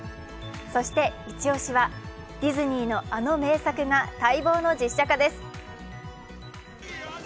そしてイチ押しは、ディズニーのあの名作が待望の実写化です。